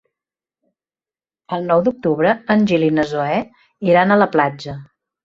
El nou d'octubre en Gil i na Zoè iran a la platja.